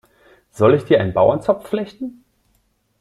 Soll ich dir einen Bauernzopf flechten?